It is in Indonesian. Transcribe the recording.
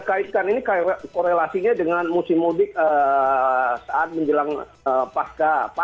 kita tahu kita kaitkan ini korelasinya dengan musim mudik saat menjelang pasca